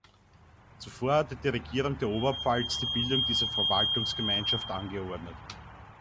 Zuvor hatte die Regierung der Oberpfalz die Bildung dieser Verwaltungsgemeinschaft angeordnet.